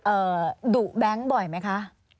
เอ่อดุแบงก์บ่อยไหมคะ